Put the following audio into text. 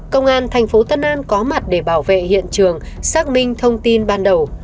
công an thành phố tân an có mặt để bảo vệ hiện trường xác minh thông tin ban đầu